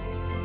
ya ini dia